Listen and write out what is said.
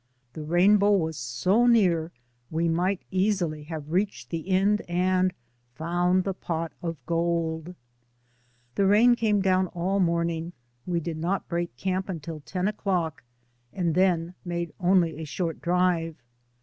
The rainbow was so near we might easily have reached the end and "found the pot of ISO DAYS ON THE ROAD. gold." The rain came down all morning; we did not break camp until ten o'clock and then made only a short drive.